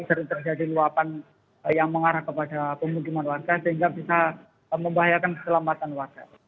sering terjadi luapan yang mengarah kepada pemukiman warga sehingga bisa membahayakan keselamatan warga